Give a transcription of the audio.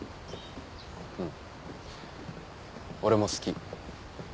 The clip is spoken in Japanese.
うん俺も好き。